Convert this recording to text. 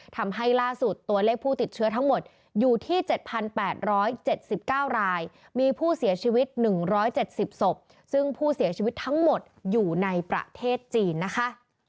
ทำให้ล่าสุดตัวเลขผู้ติดเชื้อทั้งหมดอยู่ที่๗๘๗๙รายมีผู้เสียชีวิต๑๗๐ศพซึ่งผู้เสียชีวิตทั้งหมดอยู่ในประเทศจีนนะคะ